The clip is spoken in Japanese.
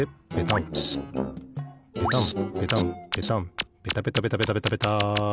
ペタンペタンペタンペタペタペタペタペタ！